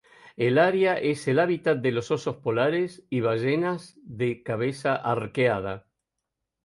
El área es el hábitat de los osos polares y ballenas de cabeza arqueada.